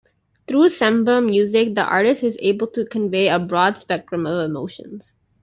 Through Semba music, the artist is able to convey a broad spectrum of emotions.